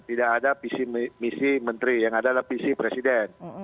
tidak ada misi menteri yang adalah visi presiden